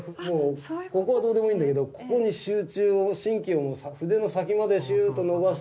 ここはどうでもいいんだけどここに集中を神経を筆の先までシューッと伸ばして。